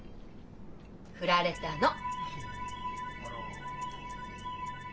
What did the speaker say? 振られたの。